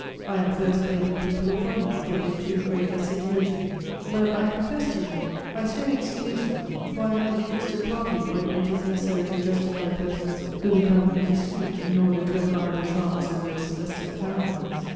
I at first blamed the people of London for their too great assiduity, but, I confess to you, I soon excused them, for I am an interested party when it is necessary to justify persons who become indiscreet in order to admire the charms of your celestial countenance.